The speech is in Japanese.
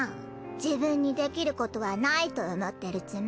自分にできることはないと思ってるチム。